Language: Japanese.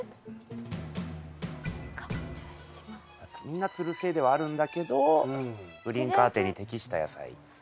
みんなつる性ではあるんだけどグリーンカーテンに適した野菜。